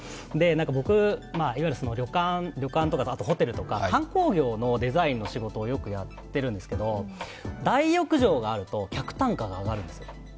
僕、いわゆる旅館とかホテルとか観光業のデザインの仕事をよくやっているんですけど、大浴場があると客単価が上がるんですよ。